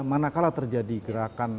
manakala terjadi gerakan